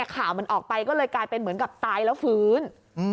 ข่าวมันออกไปก็เลยกลายเป็นเหมือนกับตายแล้วฟื้น